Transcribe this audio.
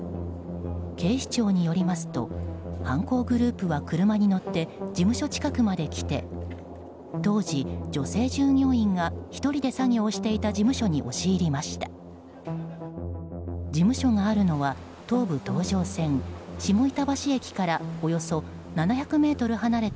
警視庁によりますと犯行グループは車に乗って事務所近くまで来て当時、女性従業員が１人で作業をしていた事務所に押し入りました。